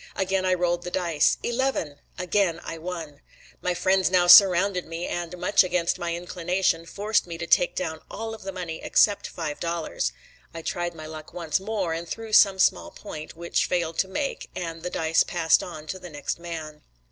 Again I rolled the dice. Eleven. Again I won. My friends now surrounded me and, much against my inclination, forced me to take down all of the money except five dollars. I tried my luck once more, and threw some small "point" which failed to make, and the dice passed on to the next man.